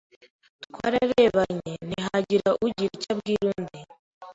Twararebanye, ntihagira ugira icyo abwira undi.